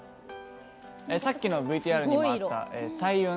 さっきのＶＴＲにもあった彩雲。